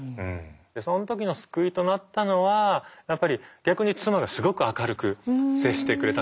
その時の救いとなったのはやっぱり逆に妻がすごく明るく接してくれたんですね。